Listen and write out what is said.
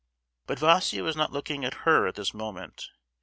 But Vaísia was not looking at her at this moment!